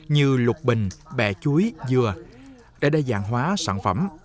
như lục bình bẹ chuối dừa để đa dạng hóa sản phẩm